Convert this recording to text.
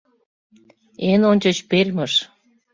— Эн ончыч Пермьыш...